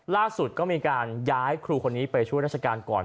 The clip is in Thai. ล่าสุดก็มีการย้ายครูคนนี้ไปช่วยราชการก่อน